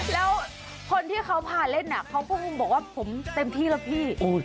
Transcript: แล้วคนที่เขาผ่านเล่นน่ะเขาพวกมันบอกว่าผมเต็มที่แล้วพี่